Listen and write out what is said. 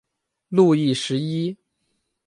路易十一。